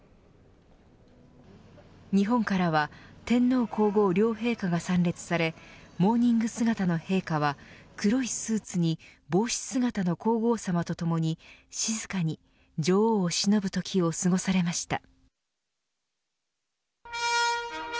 日本からは天皇皇后両陛下が参列されモーニング姿の陛下は黒いスーツに帽子姿の皇后さまとともに静かに、女王をしのぶときを過ごされました。